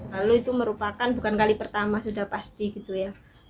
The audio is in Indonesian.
lalu itu merupakan bukan kali pertama sudah pasti gitu ya